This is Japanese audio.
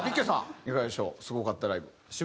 いかがでしょうすごかったライブ。